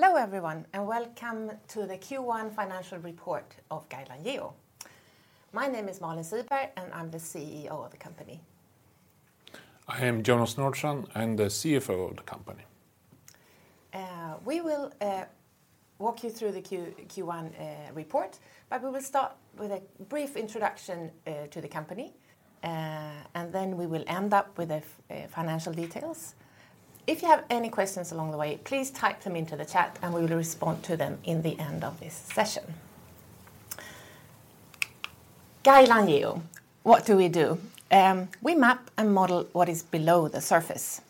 Hello everyone, welcome to the Q1 financial report of Guideline Geo. My name is Malin Siberg, and I'm the CEO of the company. I am Jonas Nordstrand, I'm the CFO of the company. We will walk you through the Q1 report. We will start with a brief introduction to the company. Then we will end up with the financial details. If you have any questions along the way, please type them into the chat. We will respond to them in the end of this session. Guideline Geo, what do we do? We map and model what is below the surface.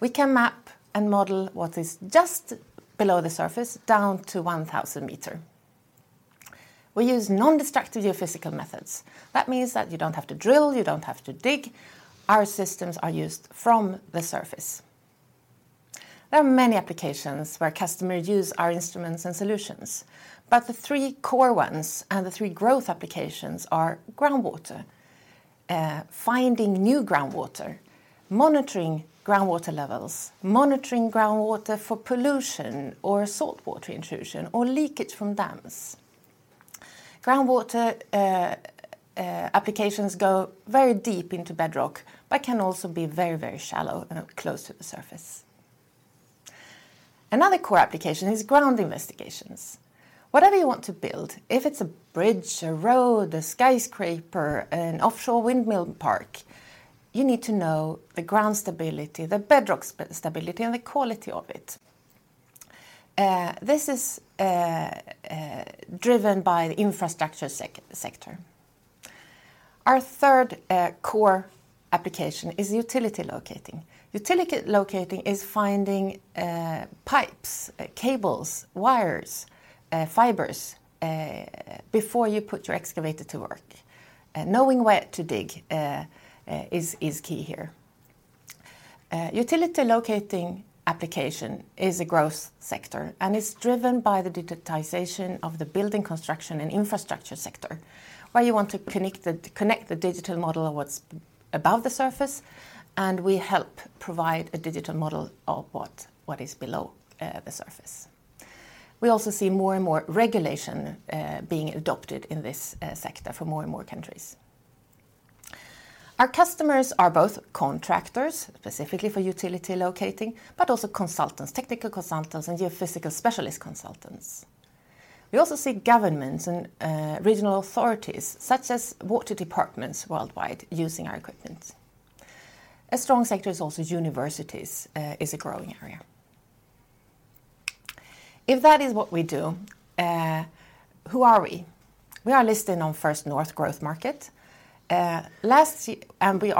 We can map and model what is just below the surface down to 1,000 meter. We use nondestructive geophysical methods. That means that you don't have to drill, you don't have to dig. Our systems are used from the surface. There are many applications where customer use our instruments and solutions. The three core ones and the three growth applications are groundwater. Finding new groundwater, monitoring groundwater levels, monitoring groundwater for pollution or saltwater intrusion or leakage from dams. Groundwater applications go very deep into bedrock, but can also be very, very shallow and up close to the surface. Another core application is ground investigations. Whatever you want to build, if it's a bridge, a road, a skyscraper, an offshore windmill park, you need to know the ground stability, the bedrock stability, and the quality of it. This is driven by the infrastructure sector. Our third core application is utility locating. Utility locating is finding pipes, cables, wires, fibers before you put your excavator to work. Knowing where to dig is key here. Utility locating application is a growth sector. It's driven by the digitization of the building construction and infrastructure sector, where you want to connect the digital model of what's above the surface. We help provide a digital model of what is below the surface. We also see more and more regulation being adopted in this sector for more and more countries. Our customers are both contractors, specifically for utility locating, also consultants, technical consultants and geophysical specialist consultants. We also see governments and regional authorities, such as water departments worldwide using our equipment. A strong sector is also universities, is a growing area. If that is what we do, who are we? We are listed on First North Growth Market. We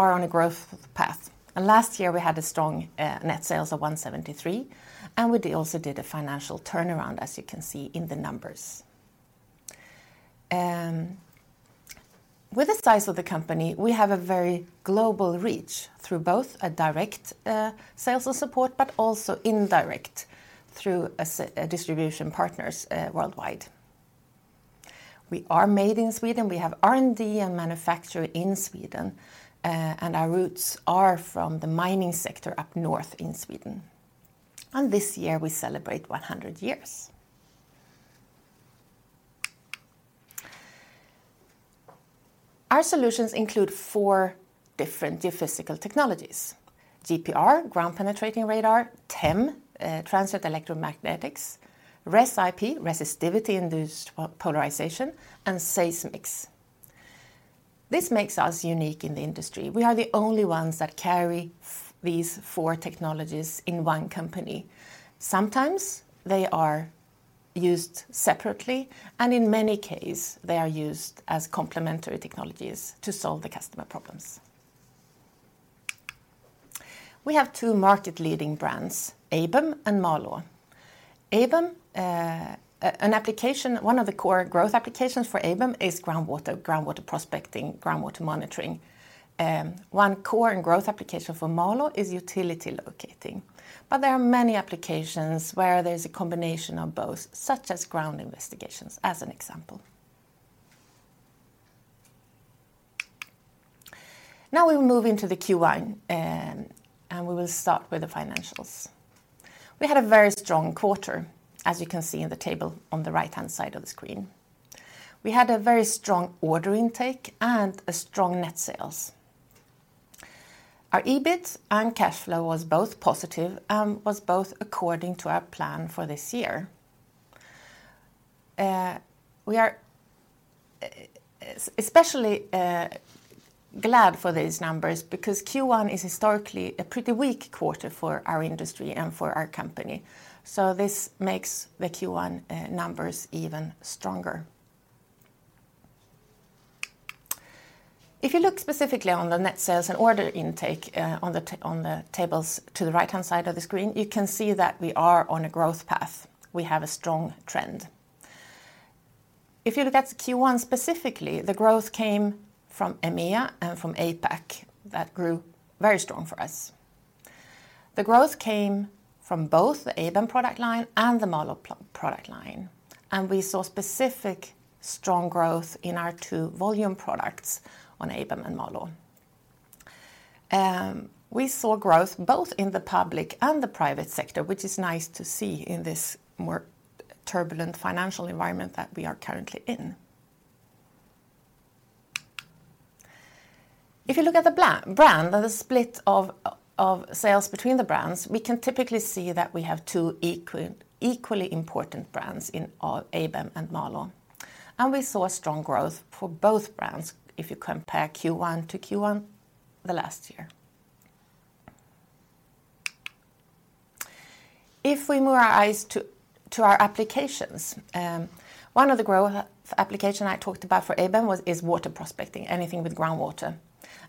are on a growth path. Last year, we had a strong net sales of 173, and we also did a financial turnaround, as you can see in the numbers. With the size of the company, we have a very global reach through both a direct sales and support, but also indirect through a distribution partners worldwide. We are made in Sweden. We have R&D and manufacture in Sweden, and our roots are from the mining sector up north in Sweden. This year, we celebrate 100 years. Our solutions include four different geophysical technologies. GPR, ground penetrating radar, TEM, Transient electromagnetics, ResIP, Resistivity and Induced Polarization, and Seismics. This makes us unique in the industry. We are the only ones that carry these four technologies in one company. Sometimes they are used separately, in many case, they are used as complementary technologies to solve the customer problems. We have two market-leading brands, ABEM and MALÅ. ABEM, an application, one of the core growth applications for ABEM is groundwater prospecting, groundwater monitoring. One core and growth application for MALÅ is utility locating. There are many applications where there's a combination of both, such as ground investigations, as an example. Now we will move into the Q1, we will start with the financials. We had a very strong quarter, as you can see in the table on the right-hand side of the screen. We had a very strong order intake and a strong net sales. Our EBIT and cash flow was both positive and according to our plan for this year. We are especially glad for these numbers because Q1 is historically a pretty weak quarter for our industry and for our company. This makes the Q1 numbers even stronger. If you look specifically on the net sales and order intake, on the tables to the right-hand side of the screen, you can see that we are on a growth path. We have a strong trend. If you look at Q1 specifically, the growth came from EMEA and from APAC. That grew very strong for us. The growth came from both the ABEM product line and the MALÅ product line. We saw specific strong growth in our two volume products on ABEM and MALÅ. We saw growth both in the public and the private sector, which is nice to see in this more turbulent financial environment that we are currently in. If you look at the brand, the split of sales between the brands, we can typically see that we have equally important brands in our ABEM and MALÅ. We saw strong growth for both brands if you compare Q1 to Q1 last year. If we move our eyes to our applications, one of the growth application I talked about for ABEM was, is water prospecting, anything with groundwater.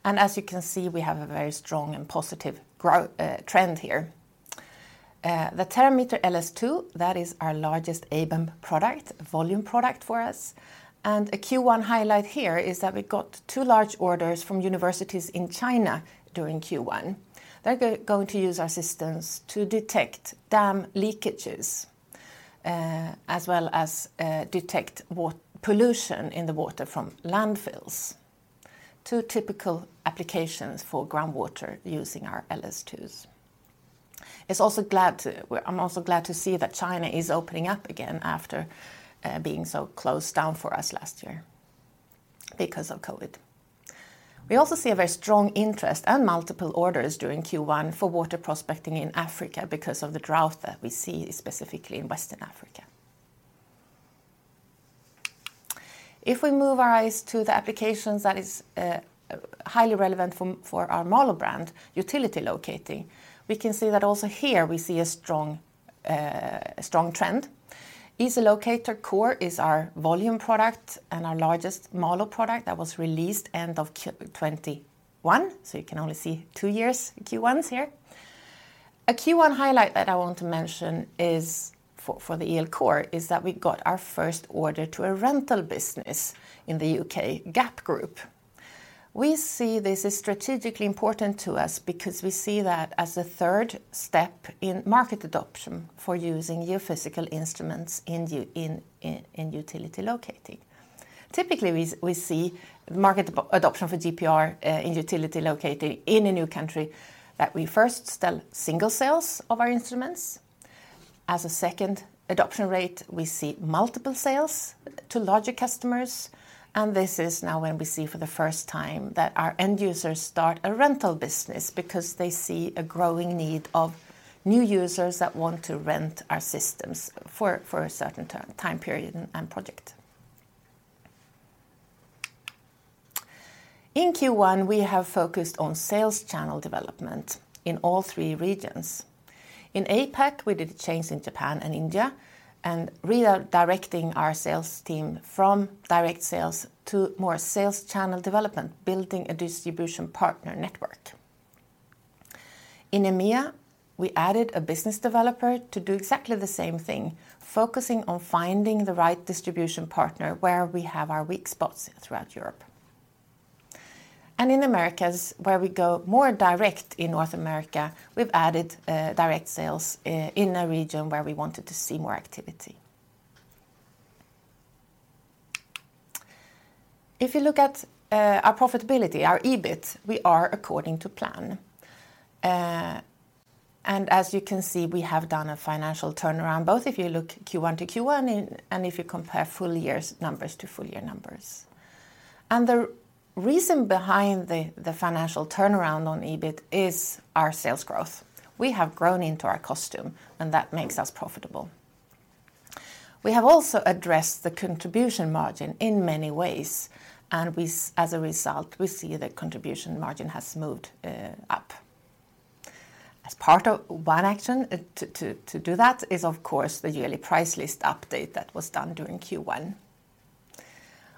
As you can see, we have a very strong and positive grow trend here. The Terrameter LS2, that is our largest ABEM product, volume product for us. A Q1 highlight here is that we got two large orders from universities in China during Q1. They're going to use our systems to detect dam leakages, as well as detect pollution in the water from landfills. two typical applications for groundwater using our LS2s. I'm also glad to see that China is opening up again after being so closed down for us last year because of COVID. We also see a very strong interest and multiple orders during Q1 for water prospecting in Africa because of the drought that we see specifically in Western Africa. If we move our eyes to the applications that is highly relevant for our MALÅ brand, utility locating, we can see that also here we see a strong trend. Easy Locator Core is our volume product and our largest MALÅ product that was released end of 2021, so you can only see two years' Q1s here. A Q1 highlight that I want to mention for the EL Core is that we got our first order to a rental business in the U.K., GAP Group. We see this as strategically important to us because we see that as a third step in market adoption for using geophysical instruments in utility locating. Typically, we see market adoption for GPR in utility locating in a new country that we first sell single sales of our instruments. As a second adoption rate, we see multiple sales to larger customers. This is now when we see for the first time that our end users start a rental business because they see a growing need of new users that want to rent our systems for a certain time period and project. In Q1, we have focused on sales channel development in all three regions. In APAC, we did a change in Japan and India, redirecting our sales team from direct sales to more sales channel development, building a distribution partner network. In EMEA, we added a business developer to do exactly the same thing, focusing on finding the right distribution partner where we have our weak spots throughout Europe. In Americas, where we go more direct in North America, we've added direct sales in a region where we wanted to see more activity. If you look at our profitability, our EBIT, we are according to plan. As you can see, we have done a financial turnaround, both if you look Q1 to Q1 and if you compare full years' numbers to full year numbers. The reason behind the financial turnaround on EBIT is our sales growth. We have grown into our custom, and that makes us profitable. We have also addressed the contribution margin in many ways, and we as a result, we see the contribution margin has moved up. As part of one action to do that is, of course, the yearly price list update that was done during Q1.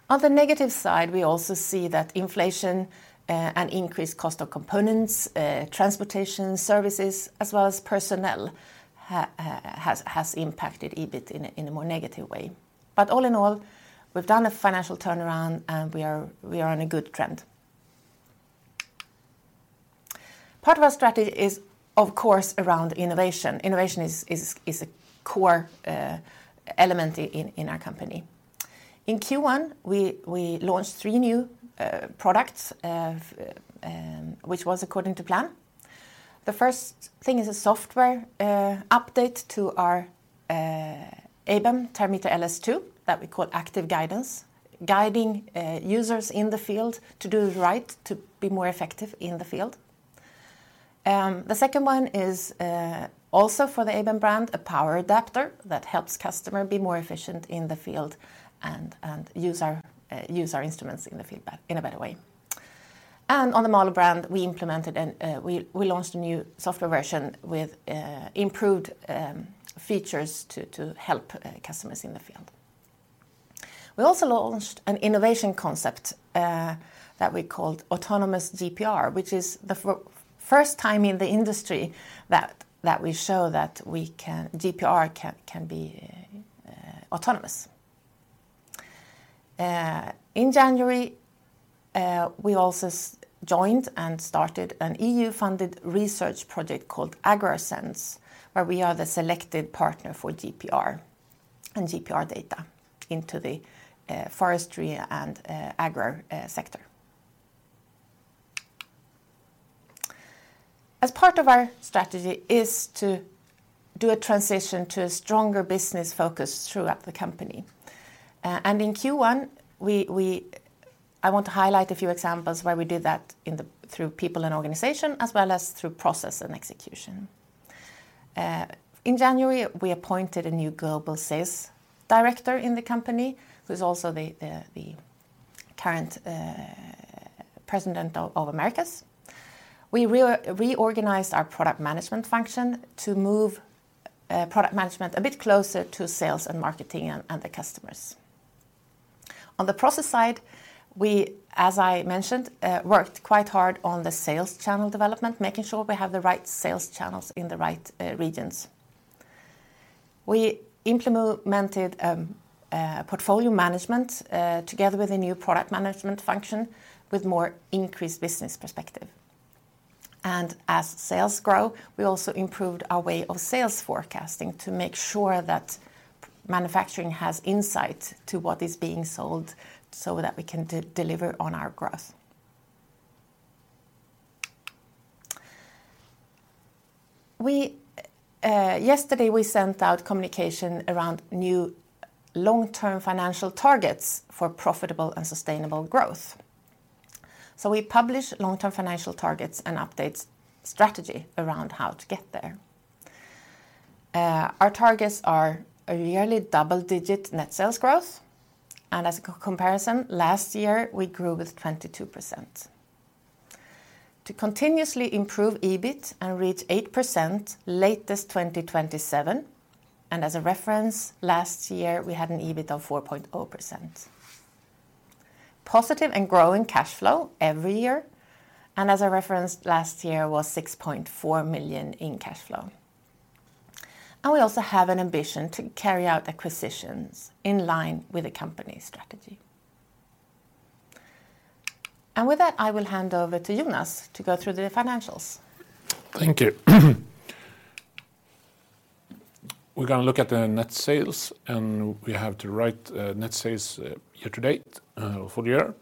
On the negative side, we also see that inflation and increased cost of components, transportation services, as well as personnel has impacted EBIT in a more negative way. All in all, we've done a financial turnaround, and we are on a good trend. Part of our strategy is, of course, around innovation. Innovation is a core element in our company. In Q1, we launched three new products, which was according to plan. The first thing is a software update to our ABEM Terrameter LS2 that we call Active Guidance, guiding users in the field to be more effective in the field. The second one is also for the ABEM brand, a power adapter that helps customer be more efficient in the field and use our instruments in the field in a better way. On the MALÅ brand, we launched a new software version with improved features to help customers in the field. We also launched an innovation concept that we called Autonomous GPR, which is the first time in the industry that we show that we can, GPR can be autonomous. In January, we also joined and started an EU-funded research project called AgroSense, where we are the selected partner for GPR. GPR data into the forestry and agro sector. As part of our strategy is to do a transition to a stronger business focus throughout the company. In Q1, we I want to highlight a few examples where we did that through people and organization, as well as through process and execution. In January, we appointed a new global sales director in the company, who's also the current president of Americas. We reorganized our product management function to move product management a bit closer to sales and marketing and the customers. On the process side, we, as I mentioned, worked quite hard on the sales channel development, making sure we have the right sales channels in the right regions. We implemented portfolio management together with a new product management function with more increased business perspective. As sales grow, we also improved our way of sales forecasting to make sure that manufacturing has insight to what is being sold so that we can deliver on our growth. We, yesterday, we sent out communication around new long-term financial targets for profitable and sustainable growth. We published long-term financial targets and updates strategy around how to get there. Our targets are a yearly double-digit net sales growth. As a comparison, last year, we grew with 22%. To continuously improve EBIT and reach 8% latest 2027, and as a reference, last year, we had an EBIT of 4.0%. Positive and growing cash flow every year, and as a reference, last year was 6.4 million in cash flow. We also have an ambition to carry out acquisitions in line with the company strategy. With that, I will hand over to Jonas to go through the financials. Thank you. We're gonna look at the net sales, and we have the right net sales year-to-date, full year.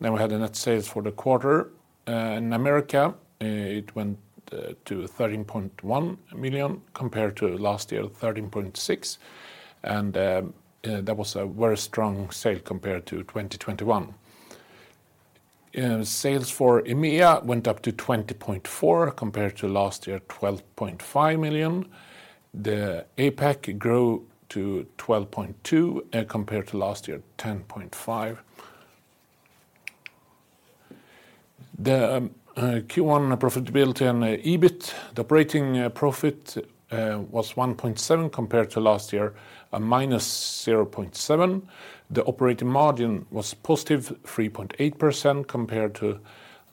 We had the net sales for the quarter. In America, it went to 13.1 million compared to last year, 13.6 million. That was a very strong sale compared to 2021. Sales for EMEA went up to 20.4 million compared to last year, 12.5 million. The APAC grew to 12.2 million compared to last year, 10.5 million. The Q1 profitability and EBIT, the operating profit, was 1.7 million compared to last year, -0.7 million. The operating margin was positive 3.8% compared to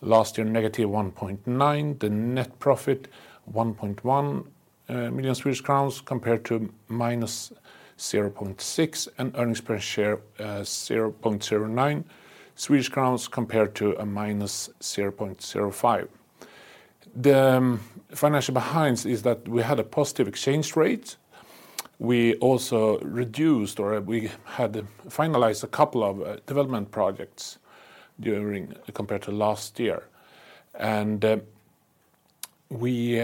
last year, negative 1.9%. The net profit, 1.1 million Swedish crowns compared to -0.6 million, and earnings per share, 0.09 Swedish crowns compared to a -0.05. The financial behinds is that we had a positive exchange rate. We also reduced or we had finalized a couple of development projects during, compared to last year. We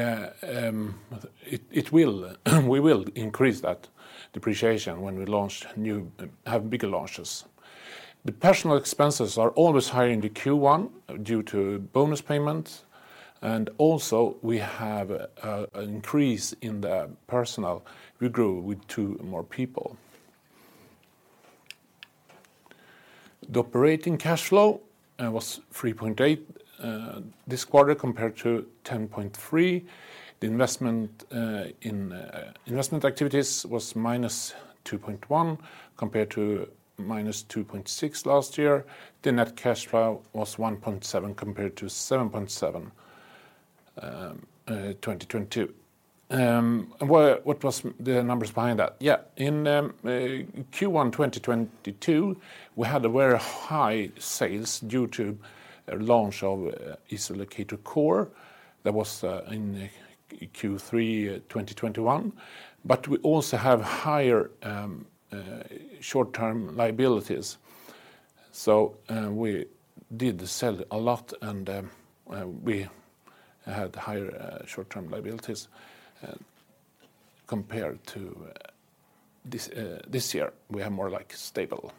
will increase that depreciation when we launch new, have bigger launches. The personnel expenses are always higher in the Q1 due to bonus payments. Also we have an increase in the personnel. We grew with two more people. The operating cash flow was 3.8 million this quarter compared to 10.3 million. The investment in investment activities was -2.1 million compared to -2.6 million last year. The net cash flow was 1.7 million compared to 7.7million, 2022. What was the numbers behind that? Yeah. In Q1 2022, we had a very high sales due to a launch of Easy Locator Core. That was in Q3 2021. We also have higher short-term liabilities. We did sell a lot and we had higher short-term liabilities compared to this year, we are more, like, stable.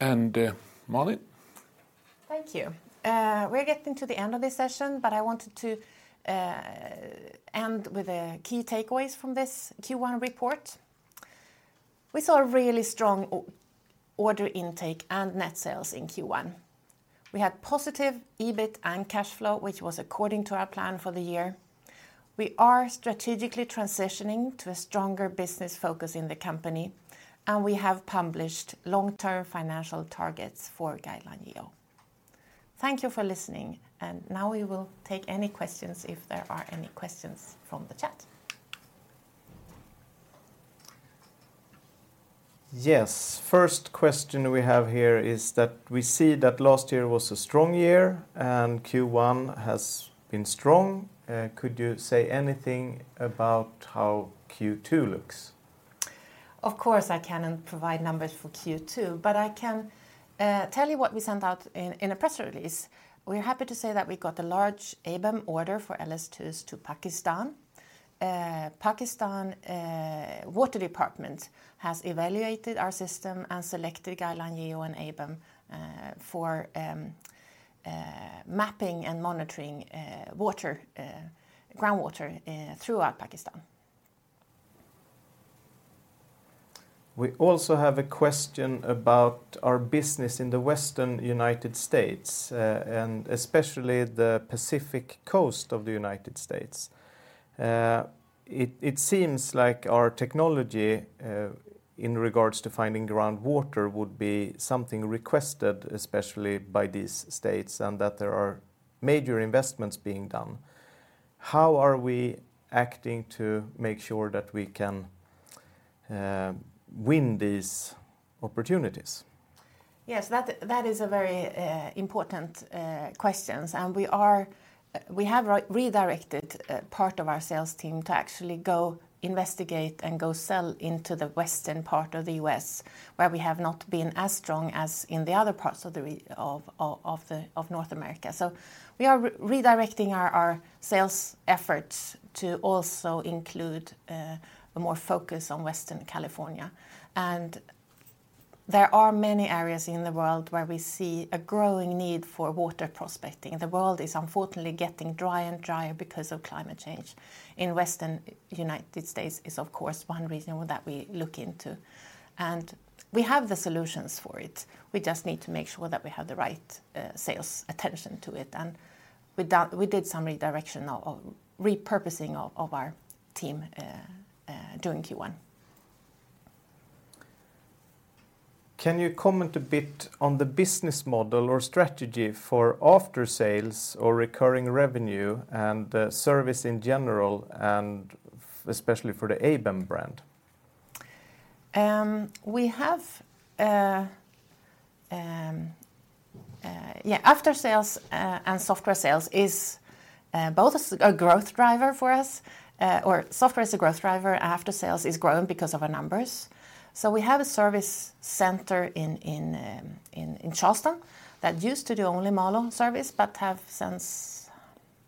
Malin? Thank you. We're getting to the end of this session, I wanted to end with the key takeaways from this Q1 report. We saw a really strong order intake and net sales in Q1. We had positive EBIT and cash flow, which was according to our plan for the year. We are strategically transitioning to a stronger business focus in the company. We have published long-term financial targets for Guideline Geo. Thank you for listening. Now we will take any questions if there are any questions from the chat. Yes. First question we have here is that we see that last year was a strong year, and Q1 has been strong. Could you say anything about how Q2 looks? Of course, I can't provide numbers for Q2, but I can tell you what we sent out in a press release. We're happy to say that we got a large ABEM order for LS2s to Pakistan. Pakistan Water Department has evaluated our system and selected Guideline Geo and ABEM for mapping and monitoring water groundwater throughout Pakistan. We also have a question about our business in the Western United States, and especially the Pacific Coast of the United States. It seems like our technology in regards to finding groundwater would be something requested, especially by these states, and that there are major investments being done. How are we acting to make sure that we can win these opportunities? Yes. That is a very important questions. We have re-redirected part of our sales team to actually go investigate and go sell into the western part of the U.S. where we have not been as strong as in the other parts of North America. We are re-redirecting our sales efforts to also include more focus on Western California. There are many areas in the world where we see a growing need for water prospecting. The world is unfortunately getting drier and drier because of climate change. In Western United States is, of course, one region that we look into. We have the solutions for it. We just need to make sure that we have the right, sales attention to it, and we did some redirection of repurposing of our team, during Q1. Can you comment a bit on the business model or strategy for after-sales or recurring revenue and service in general, and especially for the ABEM brand? Yeah, after-sales and software sales is both a growth driver for us. Software is a growth driver. After-sales is growing because of our numbers. We have a service center in Charleston that used to do only MALÅ service, but have since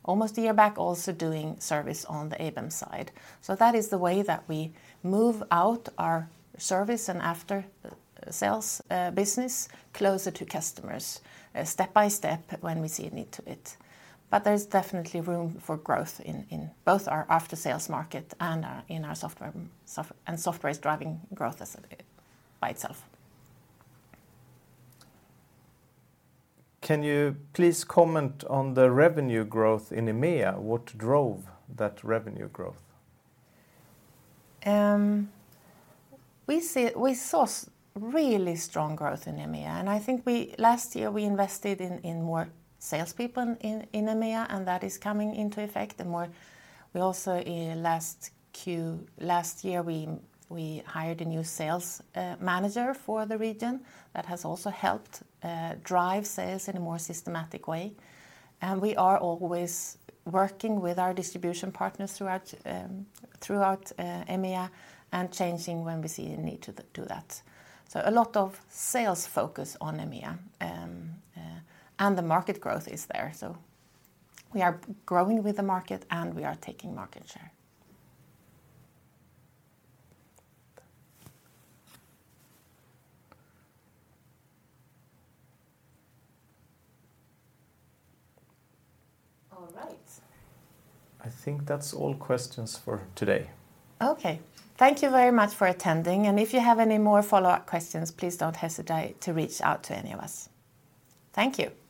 almost a year back, also doing service on the ABEM side. That is the way that we move out our service and after-sales business closer to customers step-by-step when we see a need to it. There's definitely room for growth in both our after-sales market and in our software and software is driving growth as by itself. Can you please comment on the revenue growth in EMEA? What drove that revenue growth? We saw really strong growth in EMEA. I think we, last year, we invested in more sales people in EMEA. That is coming into effect. We also in last Q, last year, we hired a new sales manager for the region that has also helped drive sales in a more systematic way. We are always working with our distribution partners throughout EMEA and changing when we see a need to that. A lot of sales focus on EMEA. The market growth is there. We are growing with the market. We are taking market share. All right. I think that's all questions for today. Okay. Thank you very much for attending. If you have any more follow-up questions, please don't hesitate to reach out to any of us. Thank you.